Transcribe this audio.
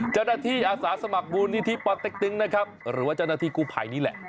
เจ้าหน้าที่อาสาสมัครบูรณีที่นะครับหรือว่าเจ้าหน้าที่กูภายนี้แหละ